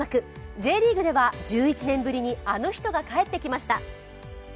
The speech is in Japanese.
Ｊリーグでは１１年ぶりに、あの人が帰ってきました。